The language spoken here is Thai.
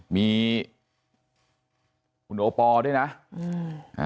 มีคุณโอปอร์ด้วยนะอืม